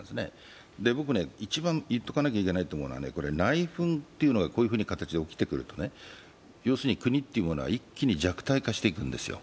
僕、一番言っておかなきゃいけないと思うのは、内紛というのがこういう形で起こってくると要するに国っていうものは一気に弱体化していくんですよ。